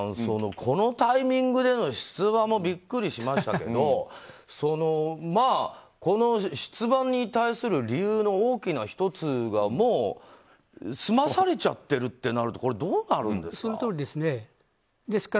このタイミングでの出馬もビックリしましたけどこの出馬に対する理由の大きな１つがもう済まされちゃってるとなるとこれ、どうなるんですか？